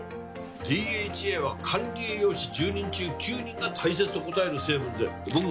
ＤＨＡは管理栄養士１０人中９人が大切と答える成分で僕もね